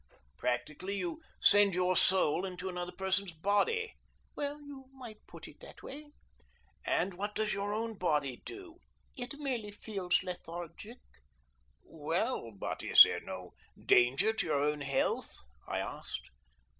"Practically, you send your soul into another person's body." "Well, you might put it that way." "And what does your own body do?" "It merely feels lethargic." "Well, but is there no danger to your own health?" I asked.